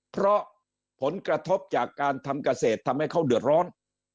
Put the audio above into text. เพราะผลกระทบจากการทำเกษตรทำให้เขาเดือดร้อน